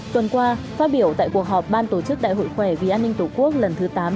tuần qua phát biểu tại cuộc họp ban tổ chức đại hội khỏe vì an ninh tổ quốc lần thứ tám năm hai nghìn hai mươi